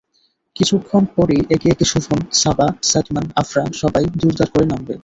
কিছুক্ষণ পরেই একে একে শোভন, সাবা, সাদমান, আফ্রা সবাই দুরদার করে নামবে।